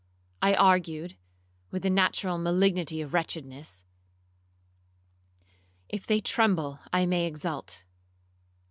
I argued, with the natural malignity of wretchedness, 'If they tremble, I may exult.'